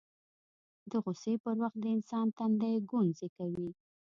د غوسې پر وخت د انسان تندی ګونځې کوي